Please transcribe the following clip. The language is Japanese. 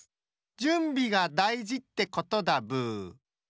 じゅんびがだいじってことだブー。